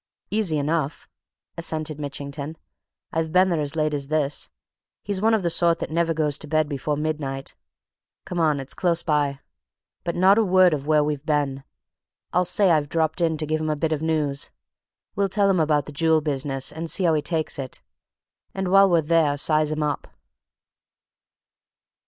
"Easy enough," assented Mitchington. "I've been there as late as this he's one of the sort that never goes to bed before midnight. Come on! it's close by. But not a word of where we've been. I'll say I've dropped in to give him a bit of news. We'll tell him about the jewel business and see how he takes it. And while we're there size him up!"